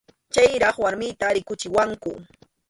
Chayraq warmiyta rikuchiwanku.